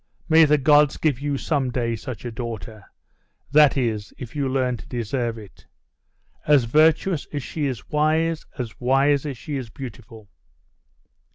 'May the gods give you some day such a daughter! that is, if you learn to deserve it as virtuous as she is wise, as wise as she is beautiful.